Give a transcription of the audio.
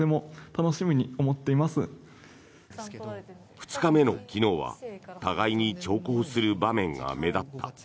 ２日目の昨日は互いに長考する場面が目立った。